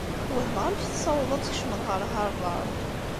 Wehmeɣ amek tessawḍeḍ ad tkecmeḍ ɣer Havard.